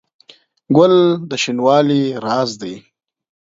ګل د شینوالي راز دی.